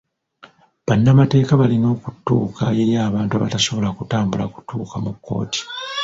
Bannamateeka balina okutuuka eri abantu abatasobola kutambula kutuuka mu kkooti.